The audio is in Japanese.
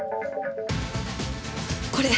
これ。